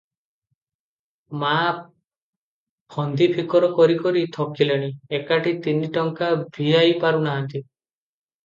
ମା' ପନ୍ଦି ଫିକର କରି କରି ଥକିଲେଣି ଏକାଠି ତିନି ଟଙ୍କା ଭିଆଇ ପାରୁନାହାନ୍ତି ।